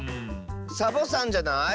サボさんじゃない？